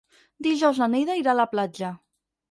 Dijous na Neida irà a la platja.